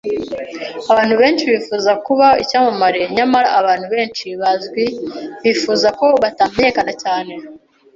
Abantu benshi bifuza kuba icyamamare. Nyamara, abantu benshi bazwi bifuza ko batamenyekana cyane.